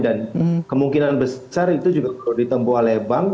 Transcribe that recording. dan kemungkinan besar itu juga perlu ditemboleh bank